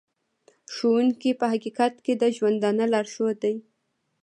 ښوونکی په حقیقت کې د ژوندانه لارښود دی.